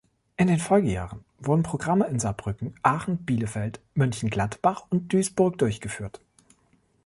In den Folgejahren wurden Programme in Saarbrücken, Aachen, Bielefeld, Mönchengladbach und Duisburg durchgeführt.